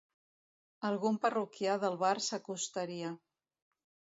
Algun parroquià del bar s'acostaria.